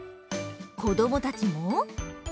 こどもたちも。